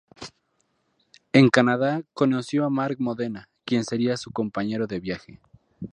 En Canadá conoció a Marc Modena, quien sería su compañero de viaje.